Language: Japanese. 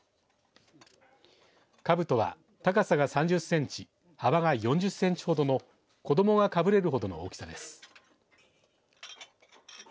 かぶとは高さが３０センチ幅が４０センチほどの子どもがかぶれるほどの大きさです。